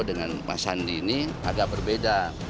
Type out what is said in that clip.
dengan pak sandi ini agak berbeda